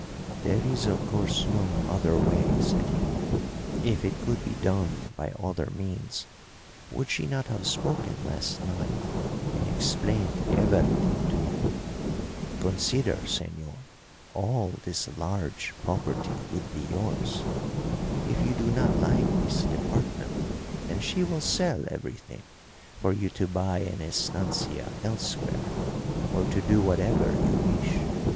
"There is, of course, no other way," said he. "If it could be done by other means, would she not have spoken last night and explained everything to you? Consider, señor, all this large property will be yours. If you do not like this department, then she will sell everything for you to buy an estancia elsewhere, or to do whatever you wish.